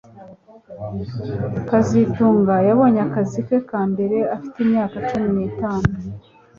kazitunga yabonye akazi ke ka mbere afite imyaka cumi nitatu